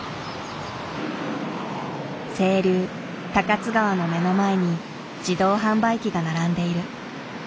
清流高津川の目の前に自動販売機が並んでいる。